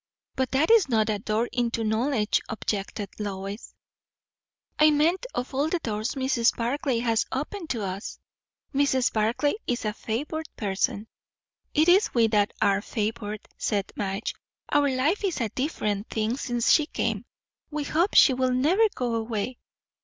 "But that is not a door into knowledge," objected Lois. "I meant, of all the doors Mrs. Barclay has opened to us." "Mrs. Barclay is a favoured person." "It is we that are favoured," said Madge. "Our life is a different thing since she came. We hope she will never go away."